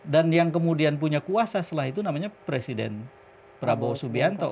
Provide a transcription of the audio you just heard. dan yang kemudian punya kuasa setelah itu namanya presiden prabowo subianto